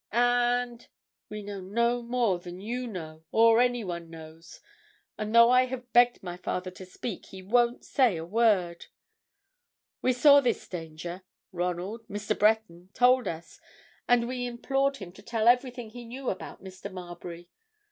And—we know no more than you know or anyone knows, and though I have begged my father to speak, he won't say a word. We saw his danger: Ronald—Mr. Breton—told us, and we implored him to tell everything he knew about Mr. Marbury.